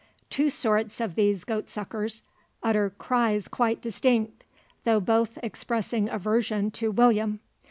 Two sorts of these goatsuckers, utter cries quite distinct; though both expressing aversion to "William."